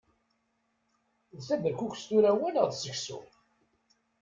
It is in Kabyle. D taberkukest tura wa neɣ d seksu?